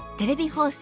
放送